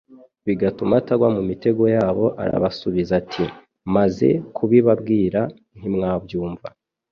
bigatuma atagwa mu mitego yabo. «Arabasubiza ati: Maze kubibabwira ntimwabyumva,